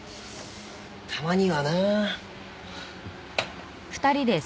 たまにはな。